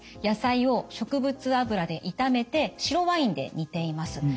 野菜を植物油で炒めて白ワインで煮ています。